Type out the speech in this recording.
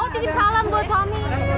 mau tidip salam buat tommy